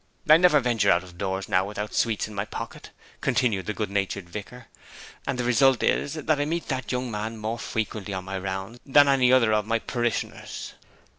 'I can never venture out of doors now without sweets in my pocket,' continued the good natured vicar: 'and the result is that I meet that young man more frequently on my rounds than any other of my parishioners.'